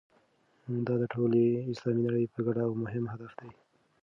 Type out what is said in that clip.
دا د ټولې اسلامي نړۍ یو ګډ او مهم هدف دی.